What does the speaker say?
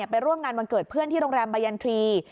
ไปร่วมงานวันเกิดเพื่อนที่โรงแรมบายันทรีย์